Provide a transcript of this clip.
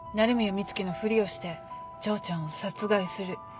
美月のふりをして丈ちゃんを殺害する。